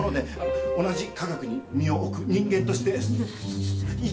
同じ科学に身を置く人間として意見交換を。